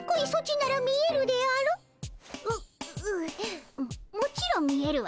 うううももちろん見えるわ。